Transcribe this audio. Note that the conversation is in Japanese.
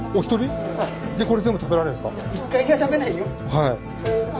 はい。